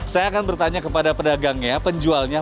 saya akan bertanya kepada pedagangnya penjualnya